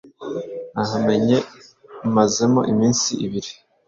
nahamenye mazemo iminsi ibiri,